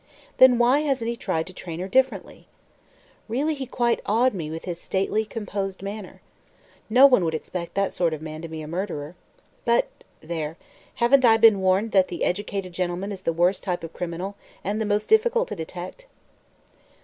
Then why hasn't he tried to train her differently?...Really, he quite awed me with his stately, composed manner. No one would expect that sort of man to be a murderer. But there! haven't I been warned that the educated gentleman is the worst type of criminal, and the most difficult to detect?"